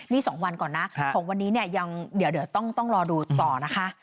นี่๒วันก่อนนะของวันนี้เนี่ยยังเดี๋ยวต้องรอดูต่อนะคะ